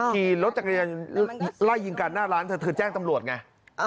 ขี่รถจักรยานไล่ยิงกันหน้าร้านเธอเธอแจ้งตำรวจไง